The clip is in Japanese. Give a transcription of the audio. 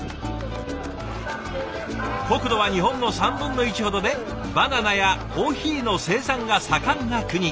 国土は日本の３分の１ほどでバナナやコーヒーの生産が盛んな国。